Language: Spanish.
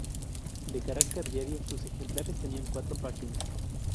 De carácter diario, sus ejemplares tenían cuatro páginas.